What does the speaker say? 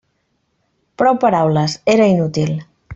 Prou paraules: era inútil.